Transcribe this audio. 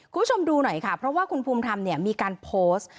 คุณผู้ชมดูหน่อยค่ะเพราะว่าคุณภูมิธรรมเนี่ยมีการโพสต์